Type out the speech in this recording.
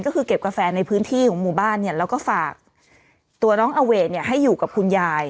ก็คือเก็บกาแฟในพื้นที่ของหมู่บ้านเนี่ยแล้วก็ฝากตัวน้องอเวทเนี่ยให้อยู่กับคุณยาย